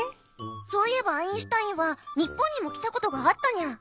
そういえばアインシュタインは日本にも来たことがあったにゃ。